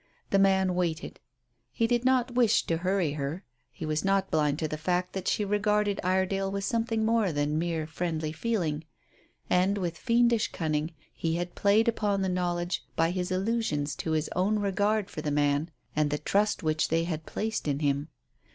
The man waited. He did not wish to hurry her. He was not blind to the fact that she regarded Iredale with something more than mere friendly feeling, and, with fiendish cunning, he had played upon the knowledge by his allusions to his own regard for the man and the trust which they all placed in him.